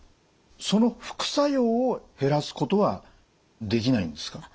その副作用を減らすことはできないんですか？